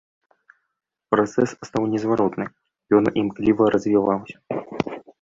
Працэс стаў незваротны, ён імкліва развіваўся.